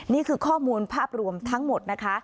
นี่คือข้อมูลภาพรวมทั้งหมดนะคะ